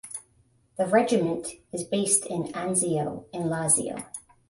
The regiment is based in Anzio in Lazio.